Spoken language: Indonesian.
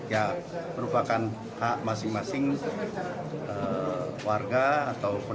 ya merupakan hak masing masing warga atau penumpang